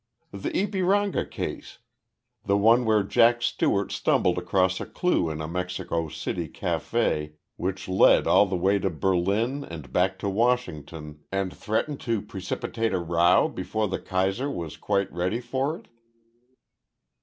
"The Ypiranga case the one where Jack Stewart stumbled across a clue in a Mexico City café which led all the way to Berlin and back to Washington and threatened to precipitate a row before the Kaiser was quite ready for it?"